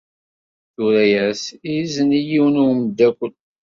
Tura-as izen i yiwen n umeddakel.